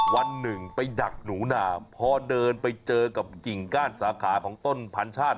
วันหนึ่งไปดักหนูนาพอเดินไปเจอกับกิ่งก้านสาขาของต้นพันชาติ